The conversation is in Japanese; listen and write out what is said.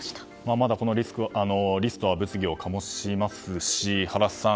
まだこのリストは物議を醸しますし、原さん